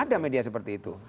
ada media seperti itu